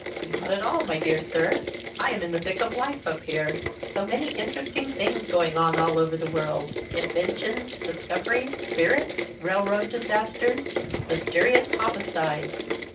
Not at all, my dear sir. I am in the thick of life up here. So many interesting things going on all over the world inventions, discoveries, spirits, railroad disasters, mysterious homicides.